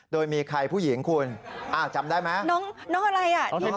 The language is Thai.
โดยมีใครผู้หญิงคุณอ่ะจำได้ไหม